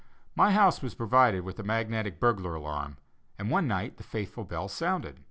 My house was provided with a magnetic burglar alarm and one night the faithful bell sounded.